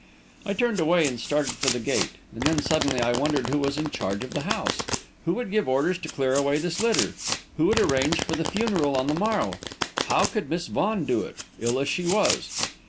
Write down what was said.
I turned away and started for the gate; and then, suddenly, I wondered who was in charge of the house. Who would give orders to clear away this litter? Who would arrange for the funeral on the morrow? How could Miss Vaughan do it, ill as she was?